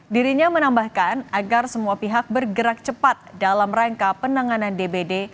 dirinya menambahkan agar semua pihak bergerak cepat dalam rangka penanganan dbd